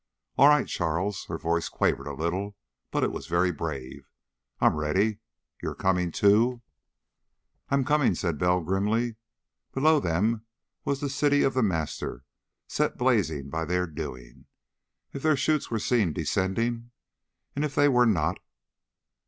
"All right, Charles." Her voice quavered a little, but it was very brave. "I'm ready. You're coming, too?" "I'm coming," said Bell grimly. Below them was the city of The Master, set blazing by their doing. If their chutes were seen descending.... And if they were not....